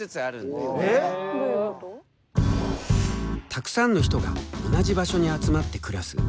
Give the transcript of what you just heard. たくさんの人が同じ場所に集まって暮らす。